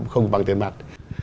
không bằng tiền mặt